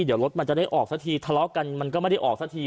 เดี๋ยวรถมันจะได้ออกสักทีทะเลาะกันมันก็ไม่ได้ออกสักที